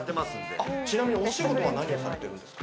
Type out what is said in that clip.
ちなみにお仕事は何をされてるんですか？